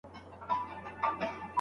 پاچا سومه چي ستا سومه